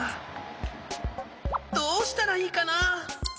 どうしたらいいかな？